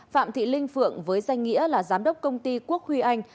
phạm thị linh phượng với danh nghĩa là giám đốc công ty quốc huy anh